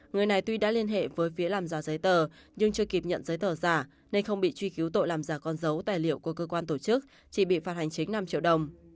người này tuy đã liên hệ với phía làm giàu giấy tờ nhưng chưa kịp nhận giấy tờ giả nên không bị truy cứu tội làm giả con dấu tài liệu của cơ quan tổ chức chỉ bị phạt hành chính năm triệu đồng